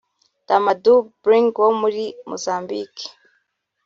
Dama Do Bling wo muri Mozambique